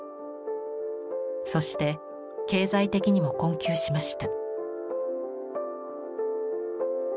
そして経済的にも困窮しました。